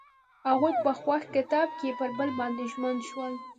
هغوی په خوښ کتاب کې پر بل باندې ژمن شول.